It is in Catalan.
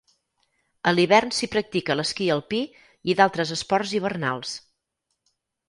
A l'hivern s'hi practica l'esquí alpí i d'altres esports hivernals.